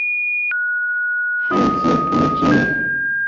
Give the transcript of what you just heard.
汉字部件。